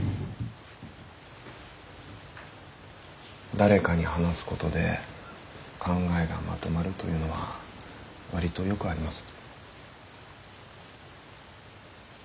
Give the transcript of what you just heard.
誰かに話すことで考えがまとまるというのは割とよくあります。